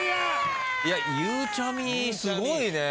ゆうちゃみすごいね。